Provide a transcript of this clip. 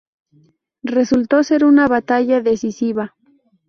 Resultó ser una batalla decisiva.